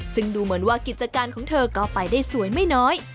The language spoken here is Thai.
ซึ่งดูเหมือนว่ากิจการของเธอก็ไปได้สวยไม่น้อย